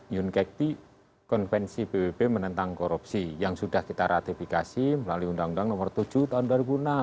yunkekti konvensi pwp menentang korupsi yang sudah kita ratifikasi melalui undang undang nomor tujuh tahun dua ribu enam